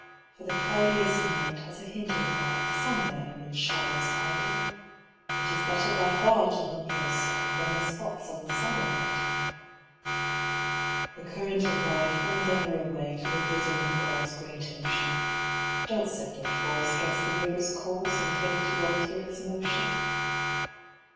For the cloudiest night has a hint of light Somewhere in its shadows hiding; It is better by far to hunt for a star, Than the spots on the sun abiding. The current of life runs ever away To the bosom of God's great ocean. Don't set your force 'gainst the river's course And think to alter its motion.